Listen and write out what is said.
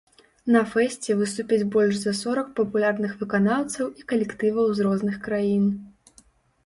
На фэсце выступяць больш за сорак папулярных выканаўцаў і калектываў з розных краін.